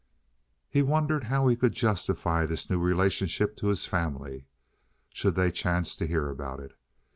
He wondered how he could justify this new relationship to his family, should they chance to hear about it.